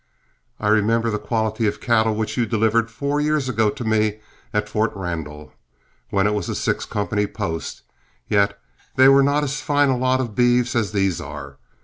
I remember the quality of cattle which you delivered four years ago to me at Fort Randall, when it was a six company post, yet they were not as fine a lot of beeves as these are.